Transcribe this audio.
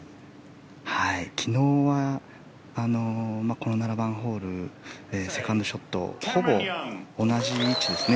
昨日は、この７番ホールセカンドショットほぼ同じ位置ですね